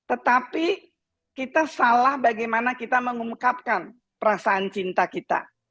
adalah kita melint professori rani anggra untuk misal discord atau merangkaki anggota keluarga kita